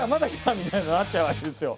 みたいになっちゃうわけですよ。